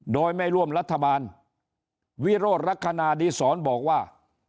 โดยไม่ร่วมรัฐบาลวิโรธลักษณะดีศรบอกว่า